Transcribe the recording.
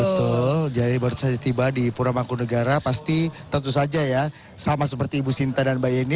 betul jadi baru saja tiba di pura mangkunegara pasti tentu saja ya sama seperti ibu sinta dan mbak yeni